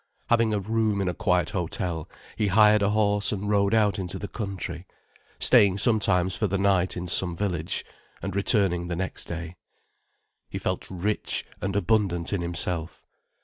Having a room in a quiet hotel, he hired a horse and rode out into the country, staying sometimes for the night in some village, and returning the next day. He felt rich and abundant in himself.